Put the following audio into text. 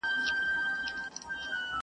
په نوراني غېږ کي دي مه لویوه!